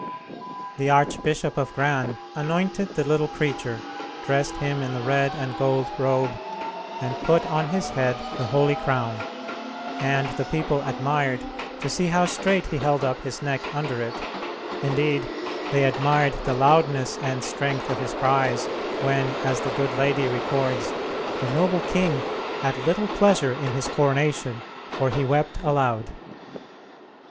The Archbishop of Gran anointed the little creature, dressed him in the red and gold robe, and put on his head the holy crown, and the people admired to see how straight he held up his neck under it; indeed, they admired the loudness and strength of his cries, when, as the good lady records, "the noble king had little pleasure in his coronation, for he wept aloud."